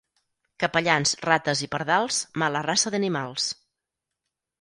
Capellans, rates i pardals, mala raça d'animals.